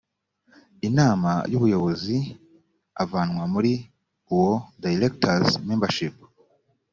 inama y ubuyobozi avanwa muri uwo directors membership